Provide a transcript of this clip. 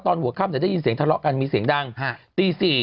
ตอนหัวข้ำเดี๋ยวได้ยินเสียงทะเลาะกันมีเสียงดังตี๔